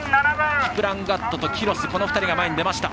キプランガットと、キロスこの２人が前に出ました。